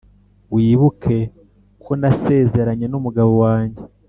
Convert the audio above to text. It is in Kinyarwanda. wibuke ko nasezeranye numugabo wanjye